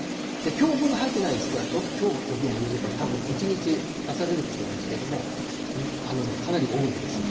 きょう分がまだ入っていませんから、きょうの分を入れると、たぶん１日足されると思いますけれども、かなり多いんですよ。